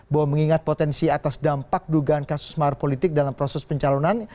bahwa mengingat potensi atas dampak dugaan kasus mahar politik dalam proses pencalonan